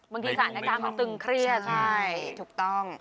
มันคือสารการมันตึงเครียดใช่ถูกต้อง